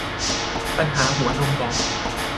ปัญหาหัวนมบอด